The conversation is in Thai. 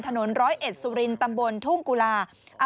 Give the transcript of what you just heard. ถนน๑๐๑สุรินตำบลทุ่มกุลา